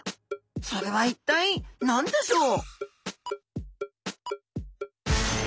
それは一体何でしょう？